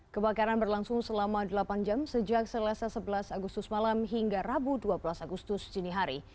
kebakaran berlangsung selama delapan jam sejak selasa sebelas agustus malam hingga rabu dua belas agustus dini hari